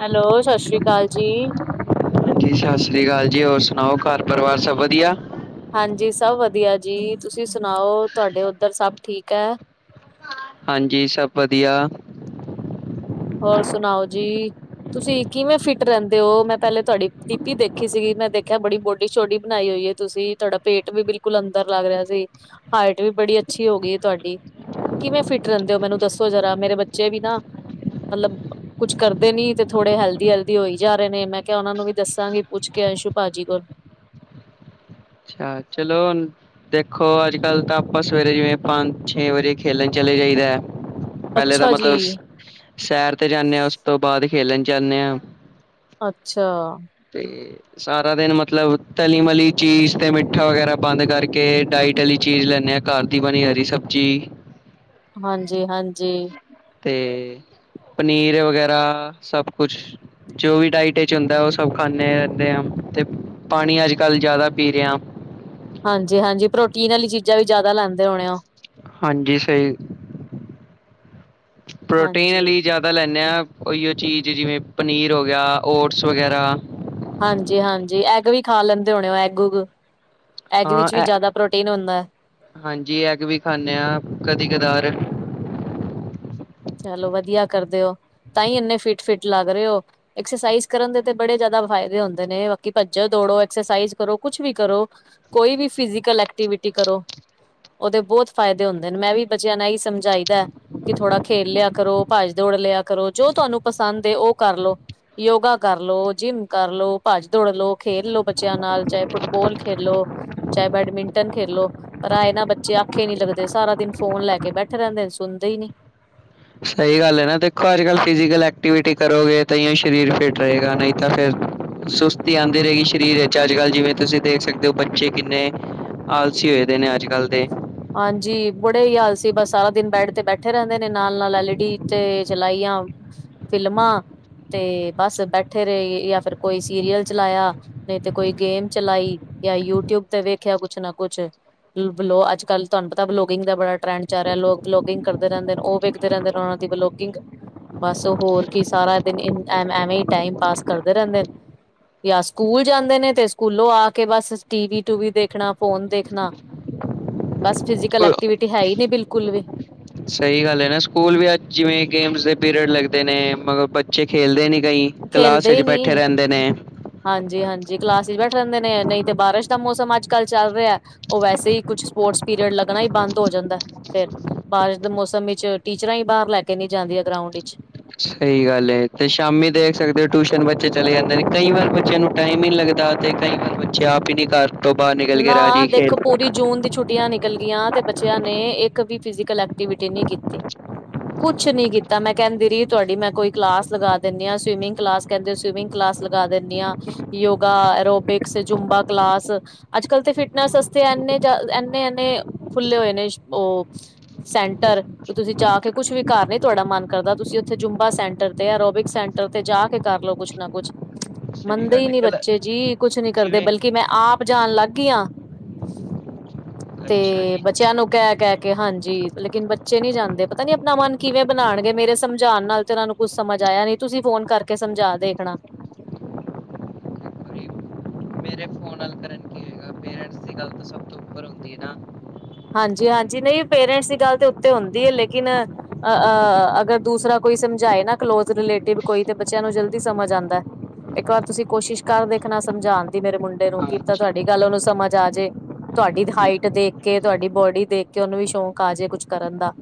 Hello, ਸਸ਼੍ਰੀ ਅਕਾਲ ਜੀ। ਹਾਂਜੀ, ਸਸ੍ਰੀ ਅਕਾਲ ਜੀ, ਹੋਰ ਸੁਣਾਓ ਘਰ ਪਰਿਵਾਰ ਸਭ ਵਧੀਆ। ਹਾਂਜੀ ਸਭ ਵਧੀਆ ਜੀ, ਤੁਸੀਂ ਸੁਨਾਓ, ਤੁਹਾਡੇ ਓਧਰ ਸਭ ਠੀਕ ਹੈ। ਹਾਂਜੀ, ਸਭ ਵਧੀਆ। ਹੋਰ, ਸੁਨਾਓ ਜੀ। ਤੁਸੀਂ ਕਿਵੇਂ ਫਿਟ ਰਹਿੰਦੇ ਓ? ਮੈਂ ਪੈਲੇ ਤੁਆਡੀ ਡਿਪੀ ਦੇਖੀ ਸੀਗੀ। ਮੈਂ ਦੇਖਿਆ ਬੜੀ ਬੋਡੀ ਸ਼ੋਡੀ ਬਣਾਈ ਹੋਈਏ। ਤੁਸੀਂ ਤੁਆਡਾ ਪੇਟ ਵੀ ਬਿਲਕੁਲ ਅੰਦਰ ਲੱਗ ਰੇਯਾ ਸੀ। ਹਾਈਟ ਵੀ ਬੜੀ ਅੱਛੀ ਹੋ ਗਈ ਏ ਤੁਆਡੀ। ਕਿਵੇਂ ਫਿੱਟ ਰੈਂਦੇ ਓ? ਮੈਨੂੰ ਦੱਸੋ ਜ਼ਰਾ, ਮੇਰੇ ਬੱਚੇ ਵੀ ਨਾ ਮਤਲਬ ਕੁਛ ਕਰਦੇ ਨੀ ਤੇ ਥੋੜੇ ਹੈਲਦੀ-ਹੈਲਦੀ ਹੋਈ ਜਾ ਰੇਨੇ, ਮੈਂ ਕੇਯਾ ਉਨਾਂ ਨੂੰ ਵੀ ਦੱਸਾਂਗੀ, ਪੁੱਛ ਕੇ ਅੰਸ਼ੂ ਭਾਜੀ ਕੋਲੋ। ਆ ਚਲੋ, ਹੁਨ ਦੇਖੋ, ਅੱਜ ਕੱਲ੍ਹ ਤਾਂ ਆਪਾਂ ਸਵੇਰੇ ਜਿਵੇਂ ਪੰਜ ਛੇ ਵਜੇ ਖੇਲਣ ਚਲੇ ਜਾਈਦਾ ਹੈ। ਪਹਿਲੇ ਤਾਂ ਅੱਛਾ ਜੀ, ਮਤਲਬ ਸੈਰ ਤੇ ਜਾਂਦੇ ਹਾਂ। ਉਸ ਤੋਂ ਬਾਅਦ ਖੇਲਣ ਜਾਂਦੇ ਹਾਂ। ਅੱਛਾ। ਤੇ ਸਾਰਾ ਦਿਨ ਮਤਲਬ ਤਲੀ ਮਲੀ ਚੀਜ਼ ਤੇ ਮਿੱਠਾ ਮਿਠਾ ਵਗੈਰਾ ਬੰਦ, ਕਰਕੇ ਡਾਇਟ ਵਾਲੀ ਚੀਜ਼ ਲੈਂਦੇ ਹਾਂ। ਘਰ ਦੀ ਬਣੀ ਹਹੀ ਸਬਜ਼ੀ ਹਾਂਜੀ-ਹਾਂਜੀ। ਤੇ ਪਨੀਰ ਵਗੈਰਾ ਸਭ ਕੁਛ। ਜੋ ਵੀ ਡਾਇਟ ਵਿੱਚ ਹੁੰਦਾ। ਉਹ ਸਭ ਖਾਂਦੇ ਰਹਿੰਦੇ ਆ। ਤੇ ਪਾਣੀ ਅੱਜ ਕੱਲ੍ਹ ਜ਼ਿਆਦਾ ਪੀ ਰਿਹਾ। ਹਾਂਜੀ- ਹਾਂਜੀ, ਪ੍ਰੋਟੀਨ ਵਾਲੀ ਚੀਜ਼ਾਂ ਵੀ ਜ਼ਿਆਦਾ ਲੈਂਦੇ ਹੋਣੇ ਉਹ। ਹਾਂਜੀ ਸਹੀ, ਪ੍ਰੋਟੀਨ ਹਾਂਜੀ। ਲਈ ਜ਼ਿਆਦਾ ੳ ਲੈਂਦੇ ਹਾਂ ਉਹੀਓ ਚੀਜ਼ ਜਿਵੇਂ ਪਨੀਰ ਹੋ ਗਿਆ। ਓਟਸ ਵਗੈਰਾ ਹਾਂਜੀ, ਹਾਂਜੀ ਐਗ ਵੀ ਖਾ ਲੈਂਦੇ ਹੋਣੇਓ। ਐਗ ਉਗ ਐਗ ਹਾਂ ਵਿੱਚ ਵੀ ਐ ਜ਼ਿਆਦਾ ਪ੍ਰੋਟੀਨ ਹੁੰਦਾ। ਹਾਂਜੀ ਐਗ ਵੀ ਖਾਂਦੇ ਹਾਂ। ਕਦੀ ਕਦਾਰ ਚਲੋ ਵਧੀਆ ਕਰਦੇ ਹੋ। ਤਾਂਹੀ ਇੰਨੇ ਫਿਟ- ਫਟ ਲੱਗ ਰਹੇ ਹੋ। ਐਕਸਰਸਾਈਜ਼ ਕਰਨ ਦੇ ਬੜੇ ਜ਼ਿਆਦਾ ਫਾਇਦੇ ਹੁੰਦੇ ਨੇ। ਬਾਕੀ ਭੱਜੋ, ਦੌੜੋ, ਐਕਸਰਸਾਈਜ ਕਰੋ ਕੁਛ ਵੀ ਕਰੋ। ਕੋਈ ਵੀ ਫਿਜ਼ਕਲ ਐਕਟੀਵਿਟੀ ਕਰੋ। ਉਹਦੇ ਬਹੁਤ ਫਾਇਦੇ ਹੁੰਦੇ ਨੇ। ਮੈਂ ਵੀ ਬੱਚਿਆਂ ਨਾਲ ਇਹੀ ਸਮਝ ਚਾਹੀਦਾ ਕਿ ਥੋੜਾ ਖੇਲ ਲਿਆ ਕਰੋ ਭੱਜ ਦੌੜ ਲਿਆ ਕਰੋ ਜੋ ਤੁਹਾਨੂੰ ਪਸੰਦ ਉਹ ਕਰ ਲੋ। ਯੋਗਾ ਕਰ ਲੋ, ਜਿੰਮ ਕਰ ਲੋ, ਭੱਜ ਦੌੜ ਲ ਲੋ, ਖੇਲ ਲੋ ਬੱਚਿਆਂ ਨਾਲ, ਚਾਹੇ ਫੁੱਟਬੋਲ ਖੇਲੋ ਚਾਹੇ ਬੈਡਮਿੰਟਨ ਖੇਲਲੋ। ਪਰ ਆਏ ਨਾ ਬੱਚੇ ਆਖੇ ਨੀ ਲੱਗਦੇ। ਸਾਰਾ ਦਿਨ ਫੋਨ ਲੈ ਕੇ ਬੈਠੇ ਰਹਿੰਦੇ ਸੁਣਦੇ ਹੀ ਨੀ। ਸਹੀ ਗੱਲ ਹੈ ਨਾ ਦੇਖੋ, ਅੱਜ ਕੱਲ੍ਹ ਫਿਜੀਕਲ ਐਕਟੀਵਿ ਕਰੋਗੇ ਤਾਂ ਹੀ ਸਰੀਰ ਫਿਟ ਰਹੇਗਾ। ਨਹੀਂ ਤਾਂ ਫਿਰ ਸੁਸਤੀ ਆਉਂਦੀ ਰਹੇਗੀ। ਸਰੀਰ ਵਿੱਚ ਅੱਜ ਕੱਲ੍ਹ ਜਿਵੇਂ, ਤੁਸੀਂ ਦੇਖ ਸਕਦੇ ਹੋ ਬੱਚੇ ਕਿੰਨੇ ਆਲਸੀ ਹੋਏ ਦੇ ਨੇ ਅੱਜ ਕੱਲ੍ਹ ਦੇ ਹਾਂਜੀ ਬੜੇ ਹੀ ਆਲਸੀ ਬਸ ਸਾਰਾ ਦਿਨ ਬੈਡ ਤੇ ਬੈਠੇ ਰਹਿੰਦੇ ਨੇ, ਨਾਲ ਨਾਲ ਐਲਈ ਡੀ ਤੇ ਚਲਾਈ ਆ ਫਿਲਮਾਂ ਤੇ ਬਸ ਬੈਠੇ ਰਹੇ ਜਾਂ ਫਿਰ ਕੋਈ ਸੀਰੀਅਲ ਚਲਾਇਆ ਨਹੀਂ ਤੇ ਕੋਈ ਗੇਮ ਚਲਾਈ ਜਾਂ ਯੂਟਿਊਬ ਤੇ ਵੇਖਿਆ ਕੁਛ ਨਾ ਕੁਛ ਲੋ ਅੱਜ ਕੱਲ ਤੁਹਾਨੂੰ ਪਤਾ ਬਲੋਗਿੰਗ ਦਾ ਬੜਾ ਟਰੈਂਡ ਚੱਲ ਰਿਹਾ ਲੋਕਲੋਗਿੰਗ ਕਰਦੇ ਰਹਿੰਦੇ ਉਹ ਵੇਖਦੇ ਰਹਿੰਦੇ ਉਹਨਾ ਦੀ ਬਲੋਗਿੰਗ ਬਸ ਹੋਰ ਕੀ ਸਾਰਾ ਦਿਨ ਐ ਐਵੇਂ ਹੀ ਟਾਈਮ ਪਾਸ ਕਰਦੇ ਰਹਿੰਦੇ ਨੇ। ਜਾਂ ਸਕੂਲ ਜਾਂਦੇ ਨੇ, ਤੇ ਸਕੂਲੋਂ ਆ ਕੇ ਬਸ ਟੀਵ ਟੂਵੀ ਦੇਖਣਾ ਫੋਨ ਦੇਖਣਾ ਬਸ ਫਿਜ਼ਕਲ ਐਕਟੀਵਿਟੀ ਹੈ ਹੀ ਨਹੀਂ ਬਿਲਕੁਲ ਵੀ। ਸਹੀ ਗੱਲ ਹੈ। ਨਾ ਸਕੂਲ ਵੀ ਅੱਜ ਜਿਵੇਂ ਗੇਮਸ ਦੇ ਪੀਰੀਅਡ ਲੱਗਦੇ ਨੇ, ਮਗਰ ਬੱਚੇ ਖੇਲਦੇ ਨਹੀਂ ਕਈ। ਕਲਾਸ ਚੇਲਦੇ ਵਿੱਚ ਹੀ ਬੈਠੇ ਨੀ। ਰਹਿੰਦੇ ਨੇ ਹਾਂਜੀ, ਹਾਂਜੀ ਕਲਾਸ ਚ ਬੈਠ ਰਹਿੰਦੇ ਨੇ, ਨਹੀਂ ਤੇ ਬਾਰਿਸ਼ ਦਾ ਮੌਸਮ ਅੱਜ ਕੱਲ੍ਹ ਚੱਲ ਰਿਹਾ। ਉਹ ਵੈਸੇ ਹੀ ਕੁੱਝ ਸਪੋਰਟਸ ਪੀਰੀਅਡ ਲੱਗਣਾ ਹੀ ਬੰਦ ਹੋ ਜਾਂਦਾ। ਫਿਰ ਬਾਰਿਸ਼ ਦੇ ਮੌਸਮ ਵਿੱਚ ਟੀਚਰਾਂ ਹੀ ਬਾਹਰ ਲੈ ਕੇ ਨੀ ਜਾਂਦੀਆਂ ਗਰਾਊਂਡ ਵਿੱਚ। ਸਹੀ ਗੱਲ ਹੈ। ਤੇ ਸ਼ਾਮੀ ਦੇਖ ਸਕਦੇ ਹੋ। ਟਿਊਸ਼ਨ ਬੱਚੇ ਚਲੇ ਜਾਂਦੇ ਨੇ, ਕਈ ਵਾਰ ਬੱਚਿਆਂ ਨੂੰ ਟਾਈਮ ਹੀ ਨੀ ਲੱਗਦਾ ਤੇ ਕਈ ਵਾਰ ਬੱਚੇ ਆਪ ਹੀ ਨੀ ਘਰ ਤੋਂ ਬਾਹਰ ਨਿਕਲ ਕੇ ਨਾ ਰਾਜੀ ਖੇਲ ਦੇਖੋ ਪੂਰੀ ਜੂਨ ਦੀ ਛੁੱਟੀਆਂ ਨੇ ਨਿਕਲ ਗਿਆਂ ਤੇ ਬੱਚਿਆਂ ਨੇ ਇੱਕ ਵੀ ਫਿਜ਼ਕਲ ਐਕਟੀਵਿਟੀ ਨਹੀਂ ਕੀਤੀ। ਕੁਛ ਨੀ ਕੀਤਾ ਮੈਂ ਕਹਿੰਦੀ ਰਹੀ ਤੁਹਾਡੀ ਮੈਂ ਕੋਈ ਕਲਾਸ ਲਗਾ ਦਿੰਦੀ ਹਾਂ ਸਵੀਮਿੰਗ ਕਲਾਸ ਕਹਿੰਦੇ ਸਵਿਮਿੰਗ ਕਲਾਸ ਲਗਾ ਦਿੰਦੀ ਆ ਯੋਗਾ ਅਰੋਬਿਕਸ ਜੂਬਾ ਕਲਾਸ ਅੱਜ ਕਲ ਤੇ ਫਿਟਨੈਸ ਵਸਤੇ ਇਨੇ ਇਨੇ ਐਨੇ ਖੁੱਲੇ ਹੋਏ ਨੇ ਉਹ ਸੈਂਟਰ ਤੁਸੀਂ ਜਾ ਕੇ, ਕੁਛ ਵੀ ਘਰ ਨ ਤੁਹਾਡਾ ਮਨ ਕਰਦਾ। ਤੁਸੀਂ ਉੱਥੇ ਜੁੰਬਾ ਸੈਂਟਰ ਤੇ, ਆ ਰੋਬਿਕ ਸ ਉਥੇ ਤੇ ਜਾ ਕੇ ਕਰਲੋ ਕੁਛ ਨਾ ਕੁੱਛ, ਸਹੀ ਮੰਨਦੇ ਹੀ ਗੱਲ ਹੈ ਨੀ ਕਲ ਬੱਚੇ ਜੀ। ਕੁਛ ਨੀ ਕਰਦੇ, ਜਿਵੇਂ ਬਲਕਿ ਮੈਂ ਆਪ ਜਾਣ ਲੱਗ ਗਈ ਹਾਂ। ਅੱਛਾ ਤੇ ਜੀ ਬੱਚਿਆਂ ਨੂੰ ਕਹਿ-ਕਹਿ ਕੇ ਹਾਂਜੀ, ਲੇਕਿਨ ਬੱਚੇ ਨੀ ਜਾਂਦੇ। ਪਤਾ ਨੀ ਆਪਣਾ ਮਨ ਕਿਵੇਂ ਬਣਾਉਣਗੇ, ਮੇਰੇ ਸਮਝਾਉਣ ਨਾਲ ਤੇ ੳਨਾਂ ਨੂੰ ਕੁੱਛ ਸਮਝ ਆਇਆ ਨੀ, ਤੁਸੀਂ ਫੋਨ ਕਰਕੇ ਸਮਝਾ ਦੇਖਣਾ। ਮੇਰੇ ਫੋਨ ਨਾਲ ਕਰਨ ਕੀ ਹੋਏਗਾ, ਪੇਰੈਂਟਸ ਦੀ ਗੱਲ ਤਾਂ ਸਭ ਤੋਂ ਉੱਪਰ ਹੁੰਦੀ ਹੈ ਨਾ। ਹਾਂਜੀ- ਹਾਂਜੀ ਨਹੀਂ, ਪੇਰੈਂਟਸ ਦੀ ਗੱਲ ਤੇ ਉੱਤੇ ਹੁੰਦੀ ਹੈ ਲੇਕਿਨ ਅਗਰ ਦੂਸਰਾ ਕੋਈ ਸਮਝਾਏ ਨਾ ਕਲੋਜ ਰਿਲੇਟਿਵ ਕੋਈ, ਤੇ ਬੱਚਿਆਂ ਨੂੰ ਜਲਦੀ ਸਮਝ ਆਉਂਦਾ। ਇੱਕ ਵਾਰ, ਤੁਸੀਂ ਕੋਸ਼ਿਸ਼ ਕਰ ਦੇਖਣਾ ਸਮਝਾਉਣ ਦੀ ਮੇਰੇ ਮੁੰਡੇ ਨੂੰ, ਕੀ ਪਤਾ ਹਾਂਜੀ ਤੁਹਾਡੀ ਗੱਲ ਉਹਨੂੰ ਸਮਝ ਆ ਜੇ। ਤੁਹਾਡੀ ਹਾਈਟ ਦੇ ਕੇ, ਤੁਹਾਡੀ ਬੋਡੀ ਦੇਖ ਕੇ, ਉਹਨੂੰ ਵੀ ਸ਼ੌਂਕ ਆ ਜੇ ਕੁਛ ਕਰਨ ਦਾ।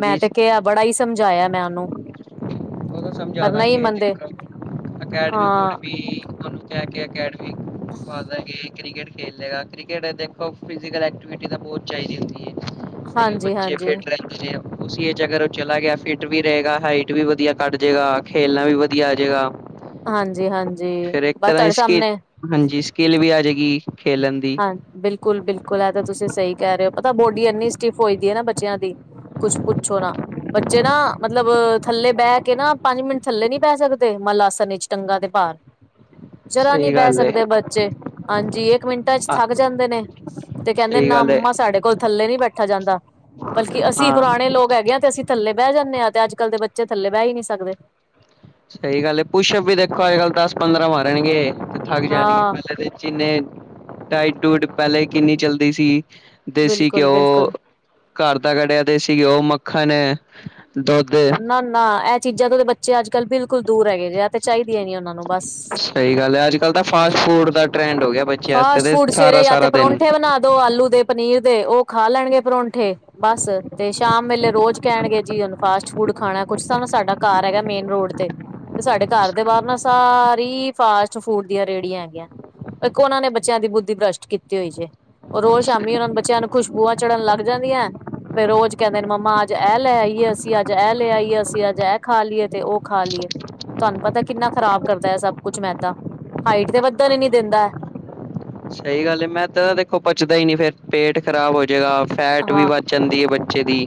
ਮੈਂ ਤੇ ਕਿਹਾ ਬੜਾ ਹੀ ਸਮਝਾਇਆ, ਮੈਂ ਉਹਨੂੰ। ਉਹਨੂੰ ਸਮਝਾ ਪਰ ਨਈ ਦਾਂਗੇ, ਦੇਖ ਮੰਨਦੇ ਅਕੈਡਮੀ-ਅਕੈਡਮੀ ਹਾਂ ਕੋਲ ਵੀ, ਮਨੂੰ ਕਹਿ ਕੇ ਅਡ ਪਤਾ- ਕ੍ਰਿਕਟ ਖੇਡ ਲੇਗਾ, ਕ੍ਰਿਕਟ ਦੇਖੋ ਫਿਸੀਕਲ ਐਕਟੀਵਿਟੀ ਤਾਂ, ਬਹੁਤ ਚਾਹੀਦੀ ਹੁੰਦੀ ਹੈ। ਤਾਂਹੀੳ ਹਾਂਜੀ ਬੱਚੇ ਹਾਂਜੀ ਫਿਟ ਰਹਿ ਅਗਰ ਉਹ ਚਲਾ ਗਿਆ, ਫਿਟ ਵੀ ਰਹੇਗਾ, ਹਾਈਟ ਵੀ ਵਧੀਆ ਕੱਢ ਜੇਗਾ, ਖੇਲਣਾ ਵੀ ਵਧੀਆ ਆ ਜੇਗਾ। ਹਾਂਜੀ -ਹਾਂਜੀ, ਫਿਰ ਇੱਕ ਬਸ ਤਰ੍ਹਾਂ ਦੀ ਤੁਹਾਡੇ ਸਕਿੱਲ ਸਾਹਮਣੇ ਹਾਂਜੀ, ਸਕਿੱਲ ਵੀ ਆ ਜਾਏਗੀ ਖੇਲਣ ਦੀ। ਬਿਲਕੁਲ-ਬਿਲਕੁਲ, ਐ ਤਾਂ ਤੁਸੀਂ ਸਹੀ ਕਹਿ ਰਹੇ ਹੋ, ਪਤਾ ਬੋਡੀ ਇੰਨੀ ਸਟਿਫ ਹੋਈ ਦੀ ਹੈ ਨਾ, ਬੱਚਿਆਂ ਦੀ ਕੁਛ ਪੁੱਛੋ ਨਾ। ਬੱਚੇ ਨਾ ਮਤਲਬ, ਥੱਲੇ ਬਹਿ ਕੇ ਨਾ, ਪੰਜ ਮਿੰਟ ਥੱਲੇ ਨਹੀਂ ਬਹਿ ਸਕਦੇ, ਮੱਲ ਆਸਨ 'ਚ ਟੰਗਾ ਦੇ ਭਾਰ। ਜਰਾ ਨਹੀਂ ਸਹੀ ਬਹਿ ਗੱਲ ਏ ਸਕਦੇ ਬੱਚੇ, ਹਾਂਜੀ ਇੱਕ ਮਿੰਟ ਵਿਚ ਹਾਂ ਥੱਕ ਜਾਂਦੇ ਨੇ, ਤੇ ਕਹਿੰਦੇ ਸਹੀ ਨਾ ਗੱਲ ਏ ਮੰਮਾ, ਸਾਡੇ ਕੋਲ ਥੱਲੇ ਨਹੀ ਬੈਠਾ ਜਾਂਦਾ। ਬਲਕਿ ਅਸੀਂ ਹਾਂ ਪੁਰਾਣੇ ਲੋਕ ਹੈਗੇ ਹਾਂ, ਤੇ ਅਸੀਂ ਥੱਲੇ ਬਹਿ ਜਾਂਦੇ ਹਾਂ। ਤੇ ਅੱਜ ਕੱਲ੍ਹ ਦੇ ਬੱਚੇ, ਥੱਲੇ ਬਹਿ ਹੀ ਨਹੀ ਸਕਦੇ। ਸਹੀ ਗੱਲ ਹੈ, ਪੁਸ਼ਪ ਵੀ ਦੇਖੋ ਅੱਜ ਕੱਲ, ਦਸ ਪੰਦਰਾਂ ਮਾਰਨਗੇ, ਥੱਕ ਜਾਣਗੇ। ਹਾਂ ਪਹਿਲੇ ਜਿੰਨੇ ਡਾਈਟ-ਡੂਟ, ਪਹਿਲੇ ਕਿੰਨੀ ਚੱਲਦੀ ਸੀ, ਦੇਸੀ ਬਿਲਕੁਲ ਘਿਓ ਬਿਲਕੁਲ ਘਰ ਦਾ ਕਢਿਆ ਤੇ ਦੇਸੀ ਘਿਓ, ਮੱਖਣ ਤੇ ਦੁੱਧ ਨਾ, ਇਹ ਚੀਜ਼ਾਂ ਤੋਂ ਬੱਚੇ ਅੱਜ ਕੱਲ੍ਹ ਬਿਲਕੁਲ ਦੂਰ ਹੈਗੇ ਜੇ, ਆ ਤੇ ਚਾਹੀਦੀਆਂ ਨੀ ਉਹਨਾਂ ਨੂੰ ਬਸ। ਸਹੀ ਗੱਲ ਹੈ, ਅੱਜ ਕੱਲ ਤਾਂ ਫਾਸਟੂਡ ਦਾ ਟਰੈਂਡ ਹੋ ਗਿਆ। ਬੱਚਿਆਂ ਵਾਸਤੇ ਤੇ ਫਾਸਟ-ਫੂਡ ਸਵੇਰੇ ਸਾਰਾ ਜਾਂ ਤੇ ਸਾਰਾ ਦਿਨ ਪਰੌਂਠੇ ਬਣਾ ਦੋ, ਆਲੂ ਦੇ ਪਨੀਰ ਦੇ, ਉਹ ਖਾ ਲੈਣਗੇ ਪਰੌਂਠੇ ਬਸ, ਤੇ ਸ਼ਾਮ ਵੇਲੇ ਰੋਜ਼ ਕਹਿਣਗੇ ਜੀ ਨੂੰ ਫਾਸਟ ਫੂਡ ਖਾਣਾ। ਕੁਛ ਤਾਂ ਨਾ ਸਾਡਾ ਘਰ ਹੈਗਾ, ਮੇਨ ਰੋਡ ਤੇ ਤੇ ਸਾਡੇ ਘਰ ਦੇ ਬਾਹਰ ਨਾ, ਸਾਰੀ ਫਾਸਟ ਫੂਡ ਦੀਆਂ ਰੇਹੜੀਆਂ ਹੈਗੀਆਂ। ਇੱਕ ਉਹਨਾਂ ਨੇ, ਬੱਚਿਆਂ ਦੀ ਬੁੱਧੀ ਬ੍ਰਸ਼ਟ ਕੀਤੀ ਹੋਈ ਜੇ। ਉਹ ਰੋਜ਼ ਸ਼ਾਮੀ ਉਹਨਾਂ ਨੇ, ਬੱਚਿਆਂ ਨੂੰ ਖੁਸ਼ਬੂਆਂ ਚੜ੍ਹਨ ਲੱਗ ਜਾਂਦੀਆਂ। ਫੇਰ ਰੋਜ਼ ਕਹਿੰਦੇ ਨੇ, ਮੰਮਾ ਅੱਜ ਇਹ ਲੈ ਆਈਏ ਅਸੀਂ, ਅੱਜ ਇਹ ਲੈ ਆਈਏ, ਅਸੀਂ ਅੱਜ ਇਹ ਖਾ ਲਈਏ, ਤੇ ਉਹ ਖਾ ਲਈਏ। ਤੁਹਾਨੂੰ ਪਤਾ, ਕਿੰਨਾ ਖ਼ਰਾਬ ਕਰਦਾ ਹੈ ਸਭ ਕੁਛ ਮੈਂਦਾਂ, ਹਾਈਟ ਤੇ ਵੱਧ ਨ ਨੀ ਦਿੰਦਾ। ਸਹੀ ਗੱਲ ਮੈਦਾ ਦੇਖੋ ਪਚਦਾ ਹੀ ਨੀ, ਫੇਰ ਪੇਟ ਖ਼ਰਾਬ ਹੋ ਜਏਗਾ, ਫੈਟ ਵੀ ਹਾਂ ਵੱਧ-' ਚੰਦੀ ਹੈ, ਬੱਚੇ ਦੀ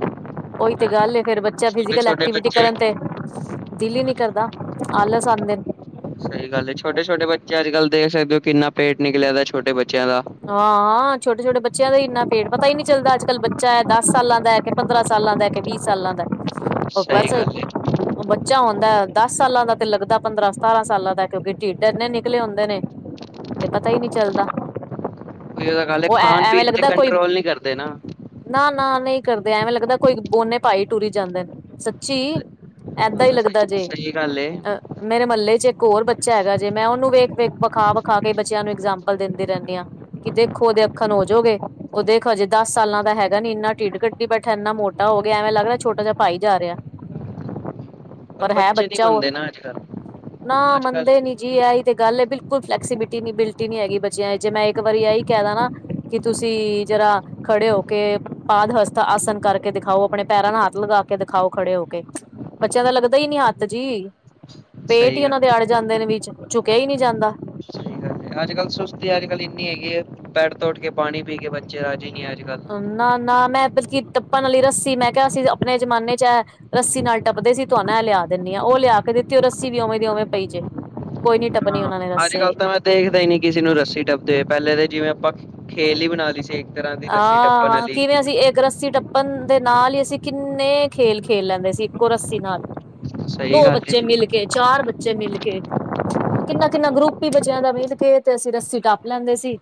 ਉਹੀ ਤੇ ਗੱਲ ਹੈ ਫੇਰ, ਬੱਚਾ ਛੋਟੇ ਫਿਜ਼ਕਲ ਛੋਟੇ ਐਕਟੀਵਿਟੀ ਬੱਚੇ ਕਰਨ ਤੇ ਦਿਲ ਹੀ ਨਹੀਂ ਕਰਦਾ, ਆਲਸ ਆਂਦੇ ਨੇ। ਸਹੀ ਗੱਲ, ਛੋਟੇ-ਛੋਟੇ ਬੱਚੇ ਅੱਜ ਕੱਲ੍ਹ ਦੇਖ ਸਕਦੇ ਹੋ, ਕਿੰਨਾ ਪੇਟ ਨਿਕਲਿਆ ਦਾ, ਛੋਟੇ ਬੱਚਿਆਂ ਦਾ। ਹਾਂ-ਹਾਂ, ਛੋਟੇ-ਛੋਟੇ ਬੱਚਿਆਂ ਦਾ ਈ ਇੰਨਾ ਪੇਟ, ਪਤਾ ਈ ਨ੍ਹੀਂ ਚੱਲਦਾ ਅੱਜ-ਕੱਲ੍ਹ ਬੱਚਾ ਐ ਦੱਸ ਸਾਲਾਂ ਦਾ, ਕੇ ਪੰਦਰਾਂ ਸਾਲਾਂ ਦਾ, ਕੇ ਵੀਹ ਸਾਲਾਂ ਦਾ। ਉਹ ਸਹੀ ਬਸ, ਉਹ ਬ ਗੱਲ ਹੈ ਬੱਚਾ ਹੂਦਾਂ ਦਸ ਸਾਲਾਂ ਦਾ ਤੇ ਲੱਗਦਾ ਪੰਦਰਾਂ-ਸਤਾਰਾਂ ਸਾਲਾਂ ਦਾ। ਕਿਉਂਕਿ, ਢਿੱਡ ਇੰਨੇ ਨਿਕਲੇ ਹੁੰਦੇ ਨੇ। ਤੇ ਪਤਾ ਈ ਨ੍ਹੀਂ ਚੱਲਦਾ। ਤੇ ਉਹੀ ਗੱਲ ਏ। ਉਹ ਐ ਖਾਣ-ਪੀਣ ਤੇ ਕੰਟਰੋਲ ਨੀ ਕਰਦੇ ਨਾ। ਨਾ-ਨਾ ਨਹੀਂ ਕਰਦੇ। ਐਵੇਂ ਲੱਗਦਾ ਕੋਈ ਬੋਨੇ ਭਾਈ ਟੁਰੀ ਜਾਂਦੇ ਨੇ, ਸੱਚੀ। ਐਦਾਂ ਈ ਹਾਂ ਲੱਗਦਾ ਸਹੀ ਜੇ। ਸਹੀ ਗੱਲ ਏ ਅ ਮੇਰੇ ਮੱਲੇ 'ਚ ਇੱਕ ਹੋਰ ਬੱਚਾ ਹੈਗਾ ਜੇ। ਮੈਂ ਉਹਨੂੰ ਵੇਖ-ਵੇਖ, ਵਿਖਾ-ਵਿਖਾ ਕੇ, ਬੱਚਿਆਂ ਨੂੰ ਇਗਜਾਮਪਲ ਦਿੰਦੀ ਰਹਿੰਨੀ ਆ। ਕਿ ਦੇਖੋ ਉਹਦੇ ਅੱਖਣ ਹੋਜੇਗੇ। ਉਹ ਦੇਖ, ਹਜੇ ਦਸ ਸਾਲਾਂ ਦਾ ਹੈਗਾ ਨੀ। ਇੰਨਾ ਢਿੱਡ ਕੱਢੀ ਬੈਠਾ, ਇੰਨਾ ਮੋਟਾ ਹੋ ਗਿਆ। ਐਵੇਂ ਲੱਗਦਾ ਛੋਟਾ ਜਿਹਾ ਭਾਈ ਜਾ ਰਿਹਾ। ਪਰ ਹੈ ਬੱਚੇ ਨਹੀਂ ਬੱਚਾ ਉਹ। ਮੰਨਦੇ ਨਾ ਅੱਜ ਕੱਲ੍ਹ ਨਾ ਅੱਜ ਮੰਨਦੇ ਨੀ ਕੱਲ੍ਹ ਜੀ ਐਈ ਤੇ ਗੱਲ ਏ। ਬਿਲਕੁਲ ਫਲੈਕਸੀਬਿਟੀ ਨੀ, ਬਿਲਟੀ ਨੀ ਹੈਗੀ ਬੱਚਿਆਂ 'ਚ। ਜੇ ਮੈਂ ਇੱਕ ਵਾਰੀ ਐਈ ਕਹਿ ਦਾ ਨਾ ਕੀ ਤੁਸੀਂ ਜ਼ਰਾ ਖੜੇ ਹੋ ਕੇ ਪਾਦ ਹਸਥਾ ਆਸਨ ਕਰਕੇ ਦਿਖਾਓ। ਆਪਣੇ ਪੈਰਾਂ ਨਾਲ ਹੱਥ ਲਗਾ ਕੇ ਦਿਖਾਓ, ਖੜੇ ਹੋ ਕੇ। ਬੱਚਿਆਂ ਦਾ ਲੱਗਦਾ ਈ ਨੀ ਹੱਥ ਜੀ। ਪੇਟ ਸਹੀ ਈ ਉਹਨਾ ਗੱਲ ਦੇ ਹੈ ਅੜ ਜਾਂਦੇ ਨੇ ਵਿੱਚ, ਝੁਕਿਆ ਈ ਨ੍ਹੀਂ ਜਾਂਦਾ। ਸਹੀ ਗੱਲ ਏ। ਅੱਜ-ਕੱਲ ਸੁਸਤੀ, ਅੱਜ-ਕੱਲ ਇੰਨੀ ਹੈਗੀ ਐ। ਬੈਡ ਤੋ ਉੱਠ ਕੇ ਪਾਣੀ ਪੀ ਕੇ ਬੱਚੇ ਰਾਜ਼ੀ ਨ੍ਹੀਂ ਅੱਜ-ਕੱਲ। ਨਾ-ਨਾ, ਮੈਂ ਬਲਕਿ ਟੱਪਣ ਆਲੀ ਰੱਸੀ, ਮੈਂ ਕਿਹਾ ਅਸੀ ਆਪਣੇ ਜਮਾਨੇ 'ਚ ਐ ਰੱਸੀ ਨਾਲ ਟੱਪਦੇ ਸੀ। ਤੁਵਾ ਨਾ ਐਹ ਲਿਆ ਦਿੰਨੀ ਆ। ਉਹ ਲਿਆ ਕੇ ਦਿੱਤੀ, ਉਹ ਰੱਸੀ ਵੀ ਉਵੇਂ ਦੀ ਉਵੇਂ ਪਈ ਜੇ। ਕੋਈ ਨੀ ਟੱਪਨੀ ਹਾਂ ਉਹਨਾਂ ਨੇ ਅੱਜ ਰੱਸੇ। ਕੱਲ੍ਹ ਤਾਂ ਮੈਂ ਦੇਖਦਾ ਈ ਨੀ ਕਿਸੇ ਨੂੰ ਰੱਸੀ ਟੱਪਦੇ ਹੋਏ। ਪਹਿਲੇ ਤੇ ਜਿਵੇਂ ਆਪਾਂ, ਖੇਲ ਈ ਬਣਾ ਲਈ ਸੀ ਇਕ। ਆਹ ਹਾਂ, ਕਿਵੇਂ ਅਸੀ ਇੱਕ ਰੱਸੀ ਟੱਪ ਪਨ ਦੇ ਨਾਲ ਈ, ਅਸੀਂ ਕਿੰਨੇ ਖੇਲ-ਖੇਲ ਲੈਂਦੇ ਸੀ ਇੱਕੋ ਰੱਸੀ ਨਾਲ। ਸਹੀ ਦੋ ਗੱਲ ਏ ਬੱਚੇ ਮਿਲ ਕੇ, ਚਾਰ ਬੱਚੇ ਬੱਚੇ ਮਿਲ ਕੇ। ਕਿੰਨਾ-ਕਿੰਨਾ ਗਰੁੱਪ ਈ, ਬੱਚਿਆਂ ਦਾ ਮਿਲ ਕੇ ਤੇ ਅਸੀਂ ਰੱਸੀ ਟੱਪ ਲੈਂਦੇ ਸੀ।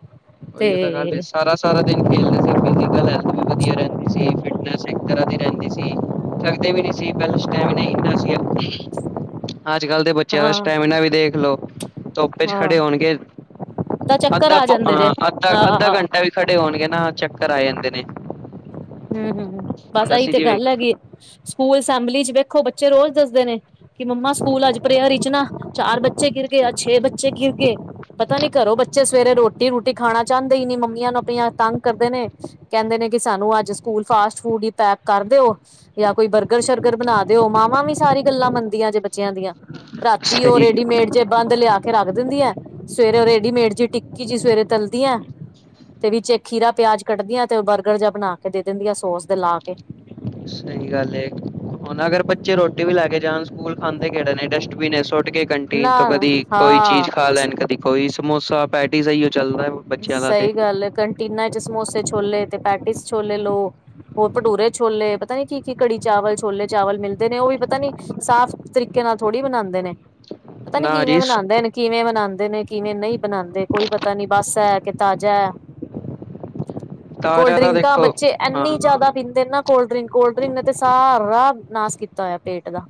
ਉਈਓ ਤਾਂ ਗੱਲ ਏ। ਤੇ ਸਾਰਾ-ਸਾਰਾ ਦਿਨ ਖੇਲਦੇ ਸੀ। [unintelligible] ਵਧੀਆ ਰਹਿੰਦੀ ਸੀ ਫਿਟਨੈਂਸ। ਇੱਕ ਤਰ੍ਹਾਂ ਦੀ ਰਹਿੰਦੀ ਸੀ। ਥੱਕਦੇ ਵੀ ਨੀ ਸੀ। ਪਹਿਲੇ ਸਟੈਮਿਨਾ ਈ ਇੰਨਾ ਸੀ। ਅੱਜ-ਕੱਲ੍ਹ ਦੇ ਬੱਚਿਆਂ ਦਾ ਹਾਂ ਸਟੈਮੀਨਾ ਵੀ ਦੇਖ ਲੋ ਧੁੱਪ 'ਚ ਹਾਂ ਖੜੇ ਹੋਣਗੇ, ਤਾਂ ਚੱਕਰ ਅੱਧਾ ਆ ਪੌ ਜਾਂਦੇ ਜੇ ਅ ਅੱਧਾ ਹਾਂ ਘੰਟਾ ਵੀ ਖੜੇ ਹੋਣਗੇ ਨਾ, ਚੱਕਰ ਆ ਜਾਂਦੇ ਨੇ। ਹੂੰ-ਹੂੰ, ਬਸ ਹੁਣ ਇਹੀ ਅਸੀਂ ਤੇ ਜਿਵੇਂ ਗੱਲ ਹੈਗੀ ਏ। ਸਕੂਲ ਅਸੈਂਬਲੀ 'ਚ ਵੇਖੋ, ਬੱਚੇ ਰੋਜ਼ ਦੱਸਦੇ ਨੇ ਕਿ ਮੰਮਾ ਸਕੂਲ ਅੱਜ ਪ੍ਰੇਅਰ 'ਚ ਨਾ, ਚਾਰ ਬੱਚੇ ਗਿਰ ਗੇ ਅ ਛੇ ਬੱਚੇ ਗਿਰ ਗੇ। ਪਤਾ ਨੀ ਘਰੋ ਬੱਚੇ ਸਵੇਰੇ ਰੋਟੀ-ਰੂਟੀ ਖਾਣਾਂ ਚਾਹੁੰਦੇ ਈ ਨੀ। ਮੰਮੀਆਂ ਨੂੰ ਆਪਨੀਆਂ ਨੂੰ ਤੰਗ ਕਰਦੇ ਨੇ। ਕਹਿੰਦੇ ਨੇ ਕਿ, ਸਾਨੂੰ ਅੱਜ ਸਕੂਲ ਫਾਸਟ-ਫੂਡ ਈ ਪੈਕ ਕਰ ਦਿਓ। ਜਾਂ ਕੋਈ ਬਰਗਰ-ਸ਼ਰਗਰ ਬਣਾ ਦਿਓ। ਮਾਵਾਂ ਵੀ ਸਾਰੀ ਗੱਲਾਂ ਮੰਨਦੀਆਂ ਜੇ ਬੱਚਿਆਂ ਦੀਆਂ। ਰਾਤੀ ਉਹ ਸਹੀ ਰੇਡੀਮੇਡ ਜੇ ਬੰਦ ਲਿਆ ਕੇ ਰੱਖ ਦਿੰਦੀ ਐ। ਸਵੇਰੇ ਉਹ ਰੇਡੀਮੇਡ ਜੀ, ਟਿੱਕੀ ਜਿਹੀ ਸਵੇਰੇ ਤਲਦੀ ਐ ਤੇ ਵਿੱਚ ਇੱਕ ਖੀਰਾ, ਪਿਆਜ ਕੱਟਦੀਆਂ ਤੇ ਉਹ ਬਰਗਰ ਜਾਂ ਬਣਾ ਕੇ ਦੇ ਦਿੰਦੀਆਂ, ਸੋਸ ਦਾ ਲਾ ਕੇ। ਸਹੀ ਗੱਲ ਏ। ਹੁਣ ਅਗਰ ਬੱਚੇ ਰੋਟੀ ਵੀ ਲੈ ਕੇ ਜਾਣ ਸਕੂਲ, ਖਾਂਦੇ ਕਿਹੜਾ ਨੇ। ਡਸਟਬਿਨ 'ਚ ਸੁੱਟ ਕੇ ਕੰਟੀਨ ਨਾ ਤੋਂ ਕਦੀ ਕੋਈ ਚੀਜ਼ ਹਾਂ ਖਾ ਲੈਣ। ਕਦੀ ਕੋਈ ਸਮੋਸਾ, ਪੈਟੀ ਸਹੀਓ ਚੱਲਦਾ ਓ। ਸਹੀ ਗੱਲ ਏ। ਕੰਟੀਨਾਂ 'ਚ ਸਮੋਸੇ ਛੋਲੇ ਤੇ ਪੈਟਿਸ ਛੋਲੇ ਲੋ। ਹੋਰ ਭਟੂਰੇ ਛੋਲੇ, ਪਤਾ ਨੀ ਕੀ-ਕੀ, ਕੜੀ-ਚਾਵਲ, ਛੋਲੇ-ਚਾਵਲ ਮਿਲਦੇ ਨੇ। ਉਹ ਵੀ ਪਤਾ ਨੀ ਸਾਫ਼ ਤਰੀਕੇ ਨਾਲ ਥੋੜ੍ਹੀ ਬਣਾਂਦੇ ਨੇ। ਪਤਾ ਨੀ ਨਾ ਕਿਵੇਂ ਜੀ ਬਨਾਂਦੇ ਨੇ, ਕਿਵੇਂ ਬਨਾਂਦੇ ਨੇ। ਕਿਵੇਂ ਨਹੀਂ ਬਨਾਂਦੇ, ਕੋਈ ਪਤਾ ਨੀ ਬੱਸ ਐ ਕੇ ਤਾਜ਼ਾ ਐ। ਤਾਜ਼ਾ ਤਾਂ ਕੋਲ-ਡਰਿੰਕਾਂ ਦੇਖੋ ਬੱਚੇ ਹਾਂ ਐਂਨੀ ਜ਼ਿਆਦਾ ਪੀਂਦੇ ਨਾ ਕੋਲਡਰਿੰਕ, ਕੋਲਡਰਿੰਕ ਨੇ ਤੇ ਸਾਰਾ ਨਾਸ ਕੀਤਾ ਹੋਇਆ ਪੇਟ ਦਾ।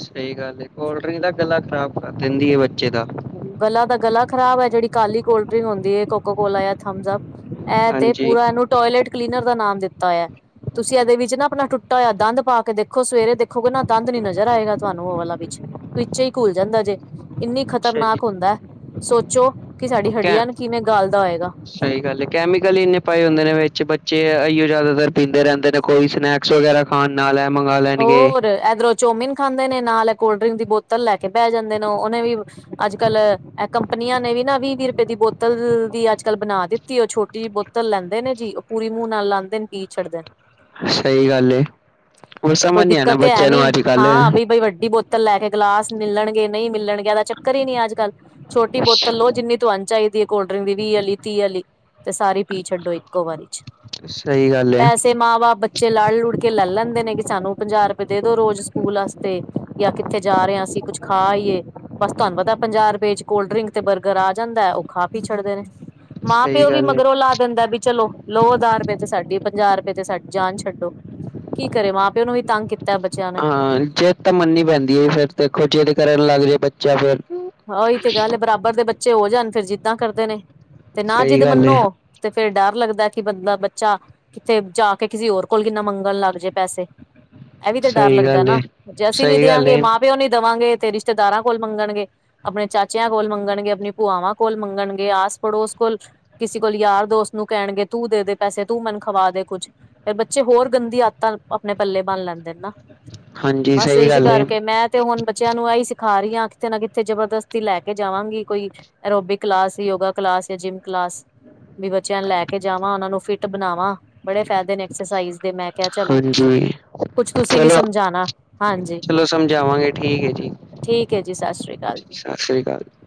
ਸਹੀ ਗੱਲ ਹੇ, ਕੋਲਡ ਡ੍ਰਿੰਕ ਦਾ ਗਲਾ ਖ਼ਰਾਬ ਕਰ ਦਿੰਦੀ ਹੈ ਬੱਚੇ ਦਾ। ਗਲਾ ਦਾ ਗਲਾ ਖਰਾਬ ਹੈ, ਜਿਹੜੀ ਕਾਲੀ ਕੋਲਡ ਡਰਿੰਕ ਹੁੰਦੀ ਹੈ। ਕੋਕੋ ਕੋਲਾ ਜਾਂ ਥਮਸ ਅਪ ਇਹ ਤੇ ਹਾਂਜੀ ਪੂਰਾ, ਇਹਨੂੰ ਟੋਇਲੇਟ ਕਲੀਨਰ ਦਾ ਨਾਮ ਦਿੱਤਾ ਹੈ। ਤੁਸੀਂ ਏਦੇ ਵਿੱਚ ਨਾ ਆਪਣਾ ਟੁੱਟਾ ਹੋਇਆ ਦੰਦ ਪਾ ਕੇ ਦੇਖੋ, ਸਵੇਰੇ ਦੇਖੋਗੇ ਨਾ ਦੰਦ ਨੀ ਨਜ਼ਰ ਆਏਗਾ ਤੁਆਨੂੰ ਓ ਵਾਲਾ ਵਿੱਚ ਵਿੱਚ ਹੀ ਘੁਲ ਜਾਂਦਾ ਜੇ, ਇੰਨੀ ਅੱਛਾ ਜੀ ਖਤਰਨਾਕ ਹੁੰਦੈ, ਸੋਚੋ ਕਿ ਸਾਡੀ ਹੱਡੀਆਂ ਨੂੰ ਕਿਵੇਂ ਗਾਲ ਦਾ ਹੋਏਗਾ ਸਈ ਗੱਲ ਹੈ, ਕੈਮੀਕਲ ਈ ਇੰਨੇ ਪਾਏ ਹੁੰਦੇ ਨੇ ਵਿੱਚ, ਬੱਚੇ ਏਈਓ ਜ਼ਿਆਦਾਤਰ ਪੀਂਦੇ ਰਹਿੰਦੇ ਨੇ, ਕੋਈ ਸਨੈਕਸ ਵਗੈਰਾ ਹਾਂ, ਨਾਲੈ ਏਹ ਮੰਗਾਲਾ ਹੋਰ, ਏਧਰੋਂ ਚੋਮਿਨ ਖਾਂਦੇ ਨੇ, ਨਾਲ ਏ ਕੋਲਡ-ਡਰਿੰਕ ਦੀ ਬੋਤਲ ਲੈਕੇ ਬੈ ਜਾਂਦੇ ਨੇ, ਓਨੇ ਵੀ ਅੱਜ-ਕੱਲ, ਏਹ ਕੰਪਨੀਆਂ ਨੇ ਵੀ ਨਾ, ਵੀਹ-ਵੀਹ ਰੁਪਏ ਦੀ ਬੋਤਲ ਵੀ ਅੱਜ-ਕੱਲ ਬਣਾ ਦਿੱਤੀ। ਓ ਛੋਟੀ ਜੀ ਬੋਤ ਬੋਤਲ ਲੈਂਦੇ ਨੇ ਜੀ, ਓ ਪੂਰੀ ਮੂੰਹ ਨਾਲ ਲਾਂਦੇ ਨੇ ਪੀ ਛੱਡਦੇ ਨੇ। ਸਹੀ ਗੱਲ ਹੈ। ਕੋਈ ਦਿੱਕਤ ਤੇ ਹੈ ਨੀ, ਕੱਲ ਹਾਂ ਬਈ-ਬਈ ਵੱਡੀ ਬੋਤ ਬੋਤਲਤ ਲੈਕੇ, ਗਲਾਸ ਮਿਲਣਗੇ ਨਈਂ ਮਿਲਣਗੇ, ਏਦਾ ਚੱਕਰ ਈ ਨਈਂ ਏ ਅੱਜ-ਕੱਲ। ਛੋਟੀ ਬੋਤਲ ਲੋ, ਜਿੰਨੀ ਤੁਆਨੂੰ ਚਾਈਦੀ ਏ। ਕੋਲਡ-ਡਰਿੰਕ ਦੀ, ਵੀਹ ਆਲੀ ਤੀਹ ਆਲੀ, ਤੇ ਸਾਰੀ ਪੀ ਛੱਡੋ ਇੱਕੋ ਵਾਰੀ ਚ। ਸਹੀ ਗੱਲ ਏ ਪੈਸੇ ਮਾਂ-ਬਾਪ, ਬੱਚੇ ਲੜ-ਲੁੜ ਕੇ ਲੈ ਲੈਂਦੇ ਨੇ, ਕਿ ਸਾਨੂੰ ਪੰਜਾਹ ਰੁਪਏ ਦੇ ਦੋ ਰੋਜ਼ ਸਕੂਲ ਆਸਤੇ, ਜਾਂ ਕਿੱਥੇ ਜਾ ਰਏ ਆਂ, ਅਸੀਂ ਕੁੱਛ ਖਾ ਆਈਏ। ਬਸ ਤੁਆਨੂੰ ਪਤੈ ਪੰਜਾਹ ਰੁਪਏ ਵਿਚ ਕੋਲਡ-ਡਰਿੰਕ ਤੇ ਬਰਗਰ ਆ ਜਾਂਦਾ। ਉ ਖਾ ਪੀ ਛੱਡਦੇ ਨੇ। ਸਹੀ ਮਾਂ-ਪਿਓ ਵੀ ਗੱਲ ਏ ਮਗਰੋ ਲਾ ਦੇਂਦਾ ਵੀ ਚਲੋ। ਲੋ ਦਸ ਰੁਪਏ ਤੇ ਸਾਡੀ, ਪੰਜਾਹ ਰੁਪਏ ਤੇ ਸਾਡੀ ਜਾਨ ਛੱਡੋ, ਕੀ ਕਰੇ ਮਾਂ-ਪਿਓ ਨੂੰ ਵੀ ਤੰਗ ਕੀਤਾ ਬੱਚਿਆ ਹਾਂ, ਜਿੱਦ ਮੰਨੀ ਪੈਂਦੀ ਫੇਰ, ਦੇਖੋ ਜਿੱਦ ਕਰਨ ਲੱਗ ਜੇ ਬੱਚਾ ਫੇਰ। ਹਾਂ ਓਹੀ ਤੇ ਗੱਲ ਹੈ, ਬਰਾਬਰ ਦੇ ਬੱਚੇ ਹੋ ਜਾਣ ਫੇਰ ਜਿੱਦਾਂ ਕਰਦੇ ਨੇ, ਤੇ ਨਾ ਸਹੀ ਜਿੱਦ ਗੱਲ ਮੰਨੋ ਏ ਤੇ ਫੇਰ ਡਰ ਲੱਗਦਾ। ਕਿ ਬੰਦਾ ਬੱਚਾ ਕਿਤੇ ਜਾ ਕੇ, ਕਿਸੇ ਹੋਰ ਕੋਲ ਕਿੰਨਾ ਮੰਗਣ ਲੱਗ ਜੇ ਪੈਸੇ ਏਹ ਵੀ ਤੇ ਡਰ ਸਹੀ ਲੱਗਦੈ ਗੱਲ ਏ ਨਾ, ਜੇ ਅਸੀਂ ਨੀ ਸਹੀ ਗੱਲ ਦੇਆਂਗੇ, ਏ ਮਾਂ-ਪਿਓ ਨੀ ਦਵਾਂਗੇ ਤੇ, ਰਿਸ਼ਤੇਦਾਰਾਂ ਕੋਲ ਮੰਗਣਗੇ ਆਪਣੇ ਚਾਚਿਆਂ ਕੋਲ ਮੰਗਣਗੇ। ਆਪਣੀ ਭੂਆਵਾਂ ਕੋਲ ਮੰਗਣਗੇ। ਆਸ-ਪੜੋਸ ਕੋਲ ਕਿਸੀ ਕੋਲ ਯਾਰ ਦੋਸਤ ਨੂੰ ਕੈਣਗੇ, ਤੂੰ ਦੇ ਦੇ ਪੈਸੇ, ਤੂੰ ਮੇਨੂ ਖਵਾ ਦੇ ਕੁੱਛ ਫੇਰ ਬੱਚੇ ਹੋਰ ਗੰਦੀ ਆਦਤਾਂ, ਆਪਣੇ ਪੱਲੇ ਬਣ ਲੈਂਦੇ ਨੇ ਨਾ ਹਾਂਜੀ ਬਸ ਸਹੀ ਇਸ ਗੱਲ ਏ ਕਰਕੇ, ਮੈਂ ਤੇ ਹੁਣ ਬੱਚਿਆਂ ਨੂੰ ਐਈ ਸਿਖਾ ਰਈ ਆਂ। ਕਿਤੇ ਨਾ ਕਿਤੇ ਤੇ ਜਬਰਦਸਤੀ ਲੈ ਕੇ ਜਾਵਾਂਗੀ, ਕੋਈ ਅਰੋਬਿਕ-ਕਲਾਸ, ਯੋਗਾ-ਕਲਾਸ ਜਾਂ ਜਿੰਮ-ਕਲਾਸ ਵੀ ਬੱਚਿਆਂ ਨੂੰ ਲੈ ਕੇ ਜਾਵਾਂ, ਓਨਾਂ ਨੂੰ ਫਿਟ ਬਣਾਵਾਂ, ਬੜੇ ਫੈਦੇ ਨੇ ਐਕਸਰਸਾਈਜ਼ ਦੇ ਮੈਂ ਮੈਂ ਕਿਆ ਚਲੋ, ਹਾਂਜੀ ਕੁਛ ਤੁਸੀਂ ਵੀ ਚਲੋ ਸਮਝਾਣਾ, ਹਾਂਜੀ। ਚਲੋ ਸਮਝਾਵਾਂਗੇ ਠੀਕ ਹੈ ਜੀ ਠੀਕ ਹੈ ਜੀ, ਸਤਿ ਸ੍ਰੀ ਅਕਾਲ। ਜੀ। ਸਤਿ ਸ੍ਰੀ ਅਕਾਲ।